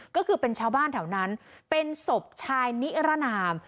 ก็คือเป็นชาวบ้านแถวนั้นเป็นศพชายนิรนาม